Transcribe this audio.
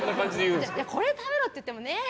これ食べろって言ってもねねえ？